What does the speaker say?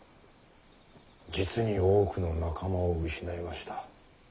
実に多くの仲間を失いました。